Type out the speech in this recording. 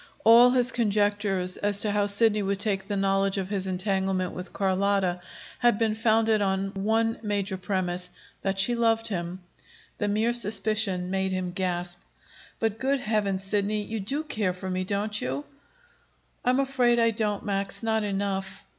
All his conjectures as to how Sidney would take the knowledge of his entanglement with Carlotta had been founded on one major premise that she loved him. The mere suspicion made him gasp. "But, good Heavens, Sidney, you do care for me, don't you?" "I'm afraid I don't, Max; not enough."